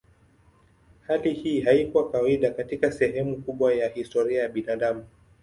Hali hii haikuwa kawaida katika sehemu kubwa ya historia ya binadamu.